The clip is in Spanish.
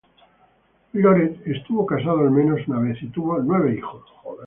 Loret estuvo casado al menos una vez y tuvo nueve hijos.